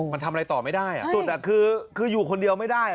มันทำอะไรต่อไม่ได้สุดคืออยู่คนเดียวไม่ได้